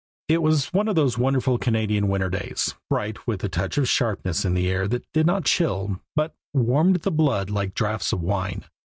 It was one of those wonderful Canadian winter days, bright, and with a touch of sharpness in the air that did not chill, but warmed the blood like drafts of wine.